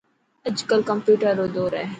اڄ ڪل ڪمپيوٽر رو دور هي.